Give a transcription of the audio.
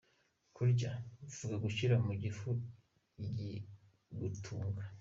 Kurya: bivuga gushyira mu gifu ikigutunga.